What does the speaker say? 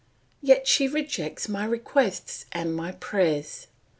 Yet she rejects my requests and my prayers.